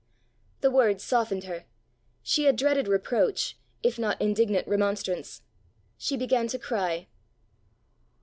The words softened her; she had dreaded reproach, if not indignant remonstrance. She began to cry.